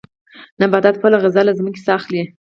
نباتات خپله غذا له ځمکې څخه اخلي.